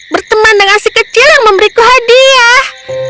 berteman dengan si kecil yang memberiku hadiah